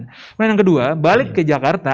kemudian yang kedua balik ke jakarta